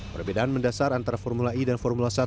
perbedaan mendasar antara formula i dan formula i